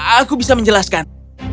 aku bisa menjelaskan